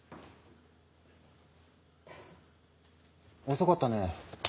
遅かったね。